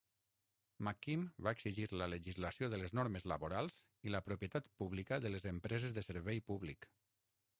McKim va exigir la legislació de les normes laborals i la propietat pública de les empreses de servei públic.